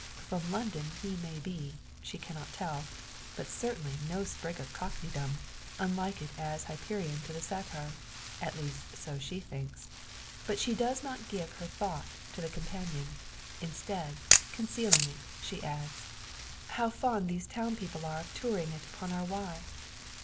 From London he may be she cannot tell but certainly no sprig of cockneydom unlike it as Hyperion to the Satyr; at least so she thinks. But she does not give her thought to the companion; instead, concealing it, she adds, "How fond those town people are of touring it upon our Wye!"